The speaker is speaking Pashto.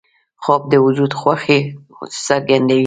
خوب د وجود خوښي څرګندوي